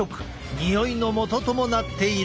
においのもとともなっている。